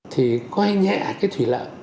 thì có hay nhẹ cái thủy lợi